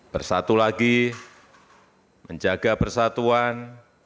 bersatu lagi menjaga persatuan